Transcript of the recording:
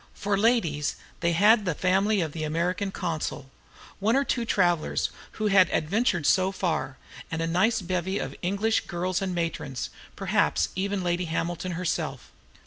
For ladies, they had the family of the American consul, one or two travellers who had adventured so far, and a nice bevy of English girls and matrons, perhaps Lady Hamilton herself.